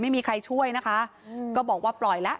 ไม่มีใครช่วยนะคะก็บอกว่าปล่อยแล้ว